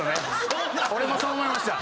俺もそう思いました。